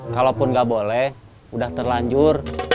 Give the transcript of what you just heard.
kalaupun nggak boleh udah terlanjur